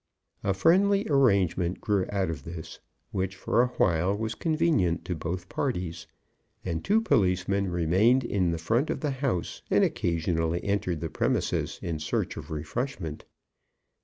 A friendly arrangement grew out of this, which for awhile was convenient to both parties, and two policemen remained in the front of the house, and occasionally entered the premises in search of refreshment.